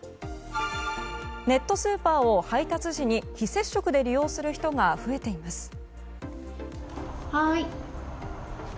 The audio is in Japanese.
ネットスーパーを配達時に非接触で利用する人が増えています。